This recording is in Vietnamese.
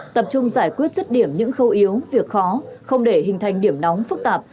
tập trung giải quyết rứt điểm những khâu yếu việc khó không để hình thành điểm nóng phức tạp